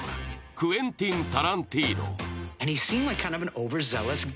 クエンティン・タランティーノ。